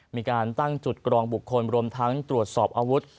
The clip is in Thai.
มีการตั้งจุดกรองบุคคลรวมทั้งตรวจสอบอาวุธ